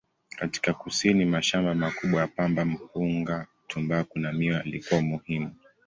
Katika kusini, mashamba makubwa ya pamba, mpunga, tumbaku na miwa yalikuwa muhimu.